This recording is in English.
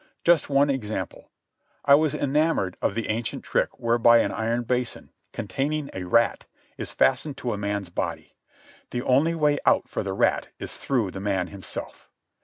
Just one example. I was enamoured of the ancient trick whereby an iron basin, containing a rat, is fastened to a man's body. The only way out for the rat is through the man himself.